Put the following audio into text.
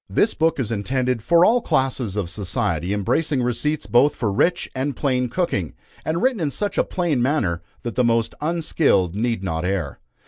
This book is intended for all classes of society, embracing receipts both for rich and plain cooking, and written in such a plain manner, that the most unskilled need not err.